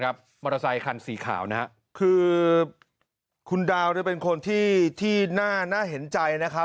กับมอเตอร์ไซค์คันสีขาวนะคือคุณดาวน์ด้วยเป็นคนที่ที่หน้าน่าเห็นใจนะครับ